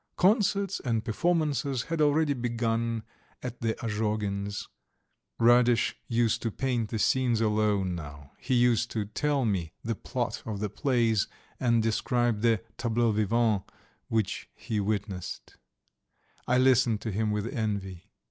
Concerts and performances had already begun at the Azhogins'; Radish used to paint the scenes alone now. He used to tell me the plot of the plays and describe the tableaux vivants which he witnessed. I listened to him with envy.